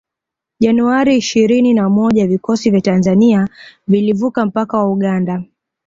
Januari ishirini na moja vikosi vya Tanzania vilivuka mpaka wa Uganda